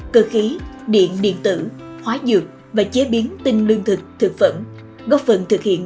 cơ khí điện điện tử hóa dược và chế biến tinh lương thực thực phẩm góp phần thực hiện